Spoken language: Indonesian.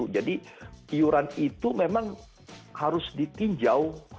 jadi iuran itu memang harus ditinjau